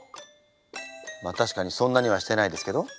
まっ確かにそんなにはしてないですけど。